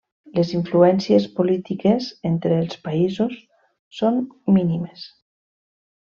Les influències polítiques entre els països són mínimes.